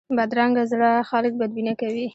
بدرنګه زړه خلک بدبینه کوي